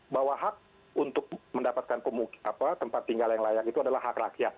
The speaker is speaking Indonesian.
bahwa hak untuk mendapatkan tempat tinggal yang layak itu adalah hak rakyat